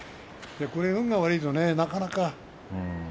これ運が悪いとなかなか。